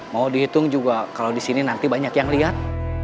mau dihitung juga kalau disini nanti banyak yang lihat